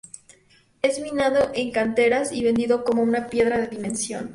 Es minado en canteras y vendido como una piedra de dimensión.